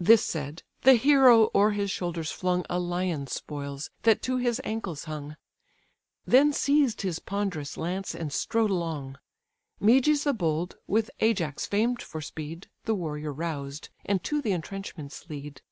This said, the hero o'er his shoulders flung A lion's spoils, that to his ankles hung; Then seized his ponderous lance, and strode along. Meges the bold, with Ajax famed for speed, The warrior roused, and to the entrenchments lead.